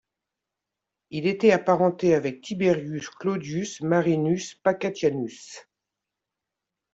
Il était apparenté avec Tiberius Claudius Marinus Pacatianus.